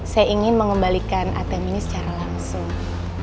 saya ingin mengembalikan atm ini secara langsung